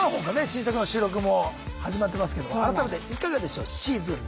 新作の収録も始まってますけども改めていかがでしょうシーズン７。